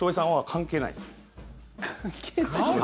関係ない？